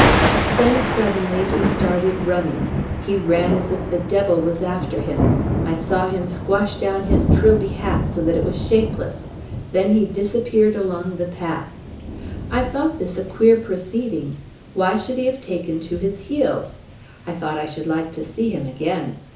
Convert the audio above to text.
Then suddenly he started running. He ran as if the devil was after him. I saw him squash down his Trilby hat so that it was shapeless. Then he disappeared along the path. I thought this a queer proceeding. Why should he have taken to his heels? I thought I should like to see him again.